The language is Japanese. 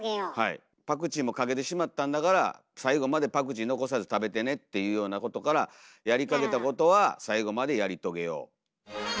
パクチーもかけてしまったんだから最後までパクチー残さず食べてねっていうようなことからやりかけたことは最後までやり遂げよう。